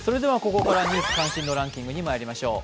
ここから「ニュース関心度ランキング」にまいりましょう。